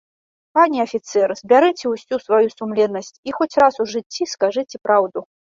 Пане афіцэр, збярыце ўсю сваю сумленнасць і хоць раз у жыцці скажыце праўду.